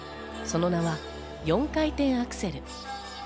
その名は４回転アクセル。